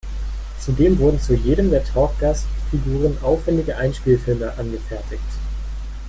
Zudem wurden zu jedem der Talkgast-Figuren aufwändige Einspielfilme angefertigt.